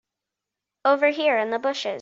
Over here in the bushes.